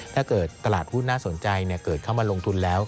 ถ้าเกิดตลาดหุ้นน่าสนใจเกิดเข้ามาลงทุนแล้ว